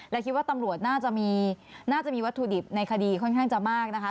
และคิดว่าตำรวจน่าจะมีน่าจะมีวัตถุดิบในคดีค่อนข้างจะมากนะคะ